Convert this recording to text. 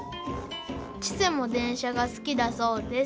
ちせも電車が好きだそうです。